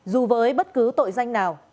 dù với bất cứ tội danh nào